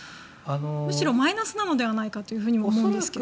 むしろマイナスなのではないかとも思うんですが。